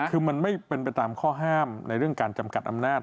คือมันไม่เป็นไปตามข้อห้ามในเรื่องการจำกัดอำนาจ